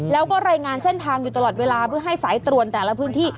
แล้วก็รายงานเส้นทางอยู่ตลอดเวลาเพื่อให้สายตรวจแต่ละพื้นที่